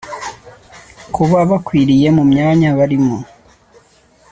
kuba bakwiriye mu myanya barimo